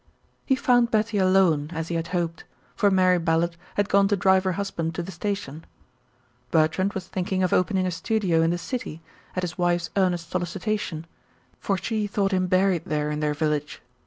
He found Betty alone as he had hoped, for Mary Ballard had gone to drive her husband to the station. Bertrand was thinking of opening a studio in the city, at his wife's earnest solicitation, for she thought him buried there in their village.